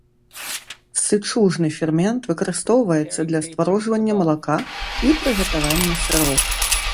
Сычужны фермент выкарыстоўваецца для стварожвання малака і прыгатавання сыроў.